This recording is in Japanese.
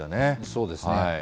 そうですね。